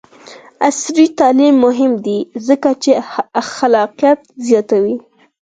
عصري تعلیم مهم دی ځکه چې خلاقیت زیاتوي.